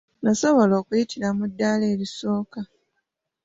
Nasobola okuyitira mu ddaala erisooka.